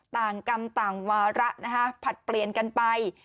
ต่างกรรมต่างวาระนะฮะผลัดเปลี่ยนกันไป